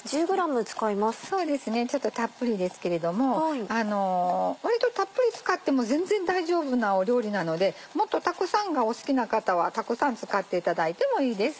ちょっとたっぷりですけれども割とたっぷり使っても全然大丈夫な料理なのでもっとたくさんがお好きな方はたくさん使っていただいてもいいです。